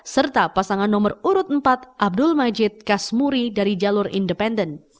serta pasangan nomor urut empat abdul majid kasmuri dari jalur independen